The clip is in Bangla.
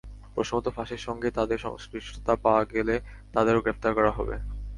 প্রশ্নপত্র ফাঁসের সঙ্গে তাঁদের সংশ্লিষ্টতা পাওয়া গেলে তাঁদেরও গ্রেপ্তার করা হবে।